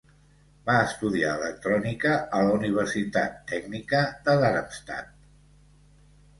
Va estudiar electrònica a la Universitat Tècnica de Darmstadt.